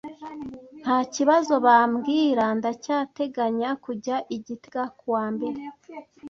Ntakibazo bambwira, ndacyateganya kujya i gitega kuwa mbere.